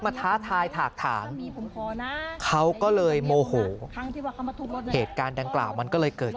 ท้าทายถากถามเขาก็เลยโมโหเหตุการณ์ดังกล่าวมันก็เลยเกิด